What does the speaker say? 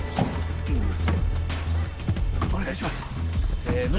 お願いしますせの。